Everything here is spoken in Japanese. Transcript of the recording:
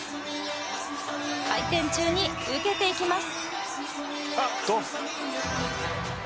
回転中に受けていきます。